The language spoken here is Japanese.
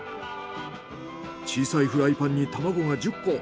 小さいフライパンに卵が１０個。